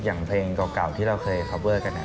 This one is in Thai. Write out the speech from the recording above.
อย่างเพลงเก่าที่เราเคยคอเวอร์กัน